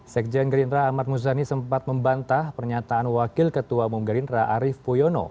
sekjen gerindra ahmad muzani sempat membantah pernyataan wakil ketua umum gerindra arief puyono